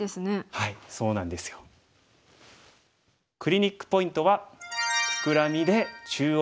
はいそうなんですよ。クリニックポイントは。